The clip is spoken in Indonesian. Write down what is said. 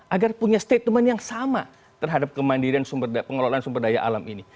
agar punya statement yang sama terhadap kemandirian sumber pengelolaan sumber daya alam ini